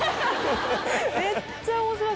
めっちゃ面白かった。